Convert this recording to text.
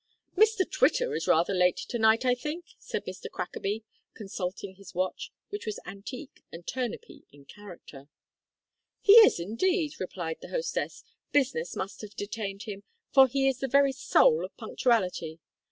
"Mr Twitter is rather late to night, I think?" said Mr Crackaby, consulting his watch, which was antique and turnipy in character. "He is, indeed," replied the hostess, "business must have detained him, for he is the very soul of punctuality.